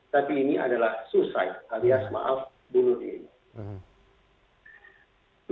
tapi ini adalah suicide alias maaf bunuh diri